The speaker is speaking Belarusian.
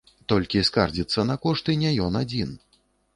Толькі скардзіцца на кошты не ён адзін.